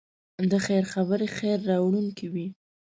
د خیر خبرې خیر راوړونکی وي.